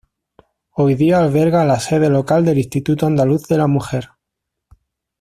Hoy día alberga la sede local del Instituto Andaluz de la Mujer.